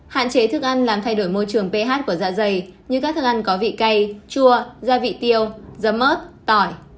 hạn chế thức ăn làm thay đổi môi trường ph của dạ dày như các thức ăn có vị cay chua gia vị tiêu dơm mớp tỏi